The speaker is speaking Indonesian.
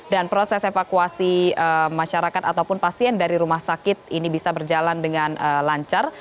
dan proses evakuasi masyarakat ataupun pasien dari rumah sakit ini bisa berjalan dengan lancar